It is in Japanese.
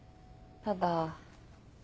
ただ。